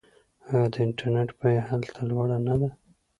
آیا د انټرنیټ بیه هلته لوړه نه ده؟